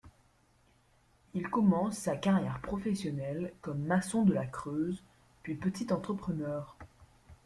Il commence sa carrière professionnelle comme maçon de la Creuse, puis petit entrepreneur.